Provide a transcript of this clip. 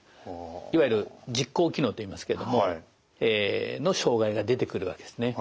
いわゆる実行機能といいますけどもええの障害が出てくるわけですね。